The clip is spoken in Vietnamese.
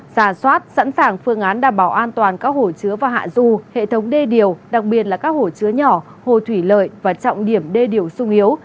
giả soát sẵn sàng phương án đảm bảo an toàn các hồ chứa và hạ du hệ thống đê điều đặc biệt là các hồ chứa nhỏ hồ thủy lợi và trọng điểm đê điều sung yếu